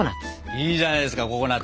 いいじゃないですかココナツ！